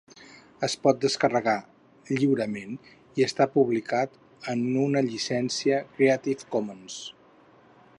Es pot descarregar lliurement i està publicat en una llicència Creative Commons.